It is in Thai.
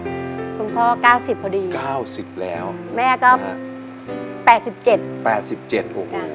คุณพ่อเก้าสิบพอดีเก้าสิบแล้วแม่ก็แปดสิบเจ็ดแปดสิบเจ็ดหกอย่าง